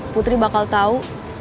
putri bakal tau